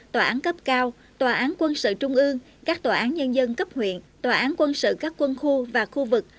tòa án cấp cao tòa án quân sự trung ương các tòa án nhân dân cấp huyện tòa án quân sự các quân khu và khu vực